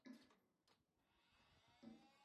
— Ertak, ertak, ertaklar!—desin!